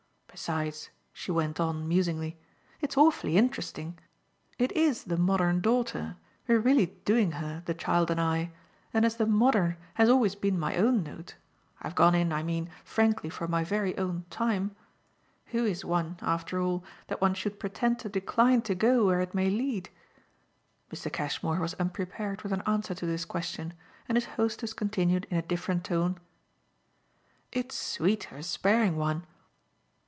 Besides," she went on musingly, "it's awfully interesting. It IS the modern daughter we're really 'doing' her, the child and I; and as the modern has always been my own note I've gone in, I mean, frankly for my very own Time who is one, after all, that one should pretend to decline to go where it may lead?" Mr. Cashmore was unprepared with an answer to this question, and his hostess continued in a different tone: "It's sweet her sparing one!"